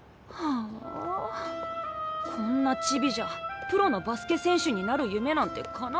あこんなちびじゃプロのバスケ選手になる夢なんてかなわないよ。